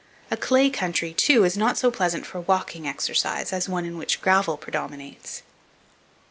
A clay country, too, is not so pleasant for walking exercise as one in which gravel predominates.